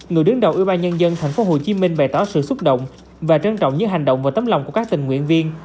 người đứng đầu ubnd tp hcm bày tỏ sự xúc động và trân trọng những hành động và tấm lòng của các tình nguyện viên